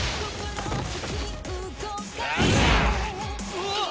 うわっ！